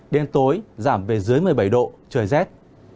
đến tối giảm về dưới một mươi bảy độ trời rét